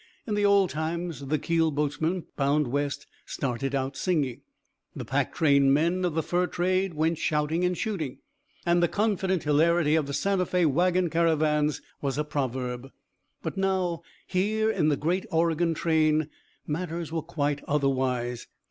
In the old times the keel boatmen bound west started out singing. The pack train men of the fur trade went shouting and shooting, and the confident hilarity of the Santa Fé wagon caravans was a proverb. But now, here in the great Oregon train, matters were quite otherwise.